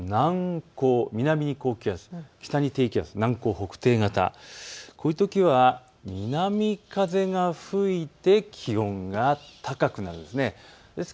南に高気圧、北に低気圧、南高北低型、こういうときは南風が吹いて気温が高くなるんです。